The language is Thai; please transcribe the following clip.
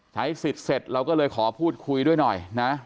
ใช้สิทธิ์เสร็จเราก็เลยขอพูดคุยด้วยหน่อยนะ